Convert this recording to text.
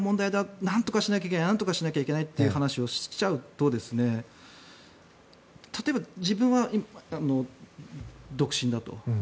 なんとかしなきゃいけないなんとかしなきゃいけないという話をしちゃうと例えば、自分は独身だと。